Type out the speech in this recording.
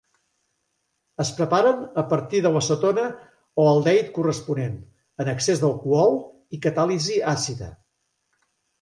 Es preparen a partir de l'acetona o aldehid corresponent, en excés d'alcohol i catàlisi àcida.